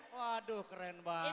waduh keren banget